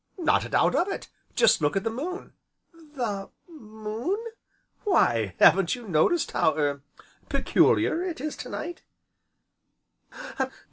"Not a doubt of it, just look at the moon!" "The moon?" "Why, haven't you noticed how er peculiar it is to night?"